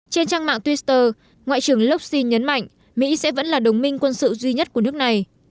trên trang mạng twitter ngoại trưởng locsin nhấn mạnh mỹ sẽ vẫn là đồng minh quân sự duy nhất của nước này